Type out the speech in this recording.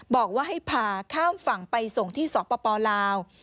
บอกว่าให้พาข้ามฝั่งไปส่งที่สปลาว